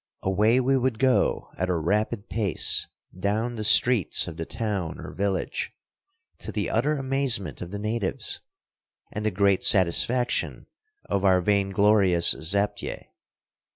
Away we would go at a rapid pace down the streets of the town or village, to the utter amazement of the natives and the great satisfaction of our vainglorious zaptieh.